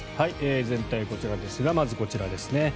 全体、こちらですがまずこちらですね。